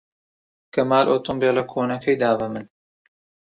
کەمال ئۆتۆمبێلە کۆنەکەی دا بە من.